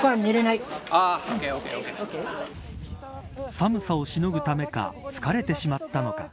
寒さをしのぐためか疲れてしまったのか。